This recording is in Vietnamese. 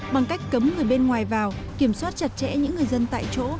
bằng cách cấm người bên ngoài vào kiểm soát chặt chẽ những người dân tại chỗ